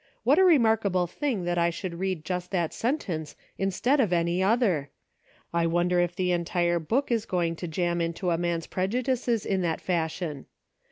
What a remarkable thing that I should read just that sentence instead of any other! I wonder if the entire book is going to jam into a man's prejudices in that fashion